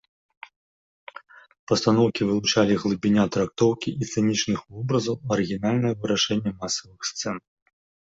Пастаноўкі вылучалі глыбіня трактоўкі і сцэнічных вобразаў, арыгінальнае вырашэнне масавых сцэн.